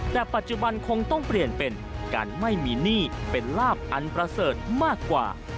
แต่ปัจจุบันคงต้องเปลี่ยนเป็นการไม่มีหนี้เป็นลาบอันประเสริฐมากกว่า